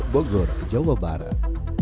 bogor jawa barat